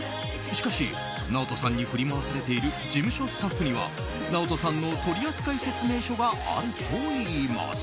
しかし、ＮＡＯＴＯさんに振り回されている事務所スタッフにはＮＡＯＴＯさんの取扱説明書があるといいます。